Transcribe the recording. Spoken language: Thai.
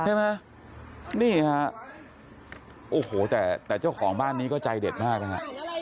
ใช่ไหมนี่ฮะโอ้โหแต่แต่เจ้าของบ้านนี้ก็ใจเด็ดมากนะฮะ